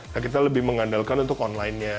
nah kita lebih mengandalkan untuk onlinenya